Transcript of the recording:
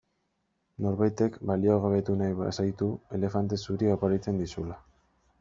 Norbaitek baliogabetu nahi bazaitu elefante zuria oparitzen dizula.